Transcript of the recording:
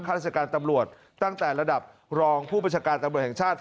ราชการตำรวจตั้งแต่ระดับรองผู้บัญชาการตำรวจแห่งชาติ